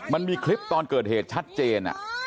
มันมีคลิปตอนเกิดเหตุชัดเจน